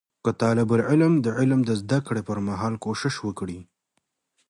که طالب العلم د علم د زده کړې پر مهال کوشش وکړي